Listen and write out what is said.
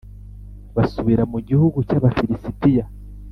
basubira mu gihugu cy Abafilisitiya